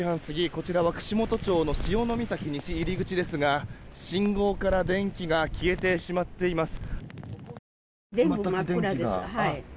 こちらは串本町の潮岬西入口ですが信号から電気が消えてしまっています。